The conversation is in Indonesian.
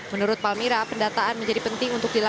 menurut palmira pendataan menjadi penting untuk dilakukan